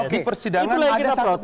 di persidangan ada satu